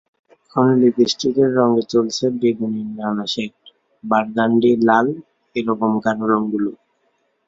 এখন লিপস্টিকের রঙে চলছে বেগুনির নানা শেড, বারগ্যান্ডি, লাল—এ রকম গাঢ় রংগুলো।